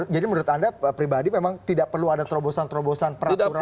jadi menurut anda pribadi memang tidak perlu ada terobosan terobosan peraturan